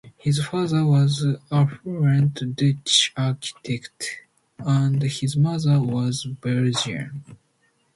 His father was an affluent Dutch architect, and his mother was Belgian.